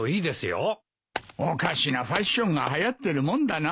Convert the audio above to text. おかしなファッションがはやってるもんだな。